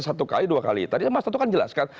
satu kali dua kali tadi mas toto kan jelaskan